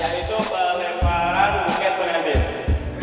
yaitu pengemaran buket pengantin